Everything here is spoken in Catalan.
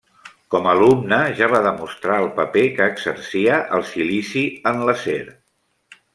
Com alumne ja va demostrar el paper que exercia el silici en l'acer.